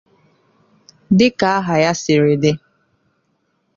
Dịka aha ya siri dị